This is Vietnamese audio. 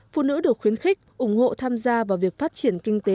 phụ nữ được khuyến khích ủng hộ tham gia vào việc phát triển kinh tế